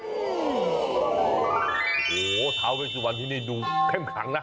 โหทาวเวซวันที่นี่ดูเข้มขังนะ